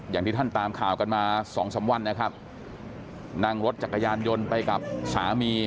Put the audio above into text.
อย่างที่ท่านตามข่าวกันมาสองสามวันนะครับนั่งรถจักรยานยนต์ไปกับสามี